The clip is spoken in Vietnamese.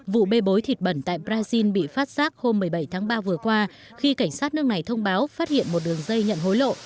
vụ bê bối thịt bẩn tại brazil bị phát giác hôm một mươi bảy tháng ba vừa qua khi cảnh sát nước này thông báo phát hiện một đường dây nhận hối lộ